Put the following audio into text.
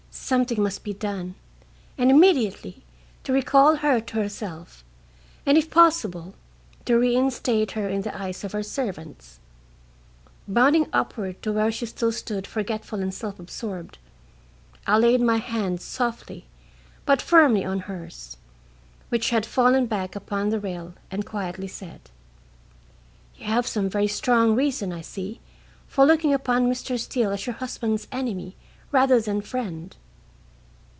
Something must be done, and immediately, to recall her to herself, and, if possible, to reinstate her in the eyes of her servants. Bounding upward to where she still stood forgetful and self absorbed, I laid my hands softly but firmly on hers, which had fallen back upon the rail, and quietly said: "You have some very strong reason, I see, for looking upon Mr. Steele as your husband's enemy rather than friend."